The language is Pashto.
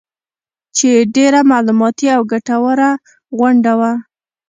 چې ډېره معلوماتي او ګټوره غونډه وه